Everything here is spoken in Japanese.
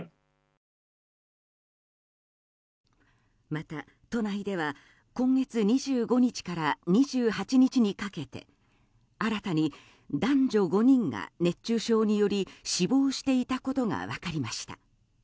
また都内では今月２５日から２８日にかけて新たに男女５人が熱中症により死亡していたことが分かりました。